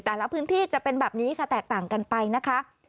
แต่ละพื้นที่จะเป็นแบบนี้ค่ะแตกต่างกันไปนะคะ